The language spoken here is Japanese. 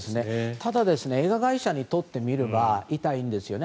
ただ映画会社にとってみれば痛いんですよね。